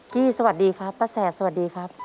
กี้สวัสดีครับป้าแสสวัสดีครับ